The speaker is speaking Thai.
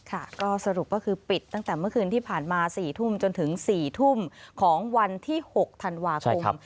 ก็สรุปก็คือปิดตั้งแต่เมื่อคืนที่ผ่านมา๔ทุ่มจนถึง๔ทุ่มของวันที่๖ธันวาคม